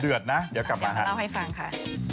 เดือดนะเดี๋ยวกลับมาเรียกเราให้ฟังค่ะ